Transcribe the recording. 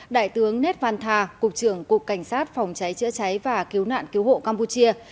đại tướng nét văn thà cục trưởng cục cảnh sát phòng cháy chữa cháy và cứu nạn cứu hộ campuchia